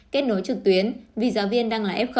kết nối trực tuyến vì giáo viên đang là f